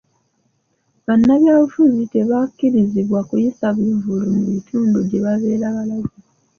Banabyabufuzi tebakkirizibwa kuyisa bivvulu mu bitundu gye babeera balaze.